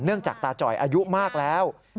เนื่องจากตาจอยอายุมากแล้ว